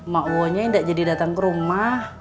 mak uonya indah jadi datang ke rumah